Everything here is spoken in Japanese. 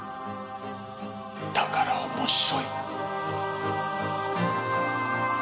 だから面白い。